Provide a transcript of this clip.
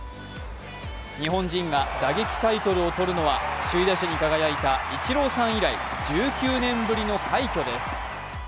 日本人が打撃タイトルを取るのは首位打者に輝いたイチローさん以来１９年ぶりの快挙です。